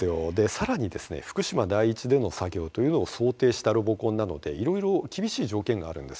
更にですね福島第一での作業というのを想定したロボコンなのでいろいろ厳しい条件があるんですよ。